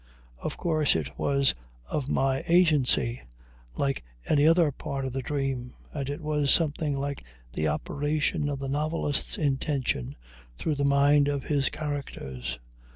Of course, it was of my agency, like any other part of the dream, and it was something like the operation of the novelist's intention through the mind of his characters.